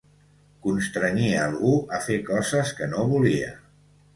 Constrenyia algú a fer coses que no volia.